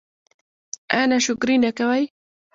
ایا ناشکري نه کوئ؟